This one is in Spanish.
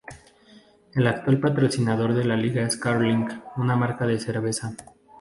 El actual patrocinador de la liga es Carling, una marca de cerveza.